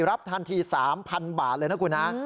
รับทันที๓๐๐๐บาทเลยนะคุณฮะ